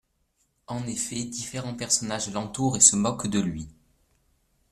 En effet, différents personnages l'entourent et se moquent de lui.